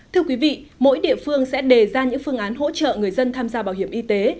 thưa quý vị mỗi địa phương sẽ đề ra những phương án hỗ trợ người dân tham gia bảo hiểm y tế